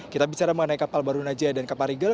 kita bicara mengenai kapal barunajaya dan kapal rigel